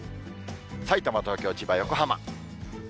さいたま、東京、千葉、横浜。